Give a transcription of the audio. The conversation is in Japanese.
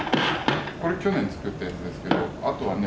これ去年作ったやつですけどあとはね